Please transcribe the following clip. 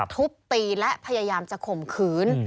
ทุบตีและพยายามจะข่มขืน